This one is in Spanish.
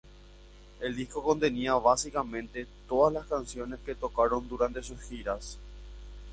El disco contenía básicamente todas las canciones que tocaron durante sus giras.